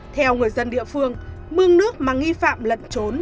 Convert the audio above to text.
theo người dân địa phương mương nước mà nghi phạm lẩn trốn